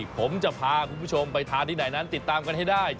ผมจะพาคุณผู้ชมไปทานที่ไหนนั้นติดตามกันให้ได้